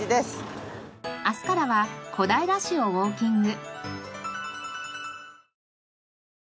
明日からは小平市をウォーキング。